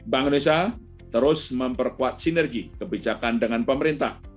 bank indonesia terus memperkuat sinergi kebijakan dengan pemerintah